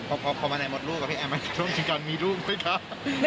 พอมาแนนมดลูกกับพี่แอนมันกล้องที่กันมีรูปไหมคะ